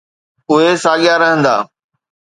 اهي ساڳيا رهندا.